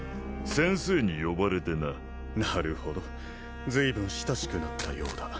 先生に呼ばれてななるほど随分親しくなったようだ